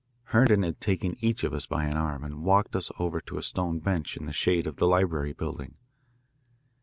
Herndon had taken each of us by an arm and walked us over to a stone bench in the shade of the library building.